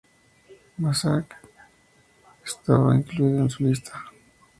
Masaryk estaba incluido en su lista.